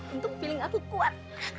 untuk pilih aku kuat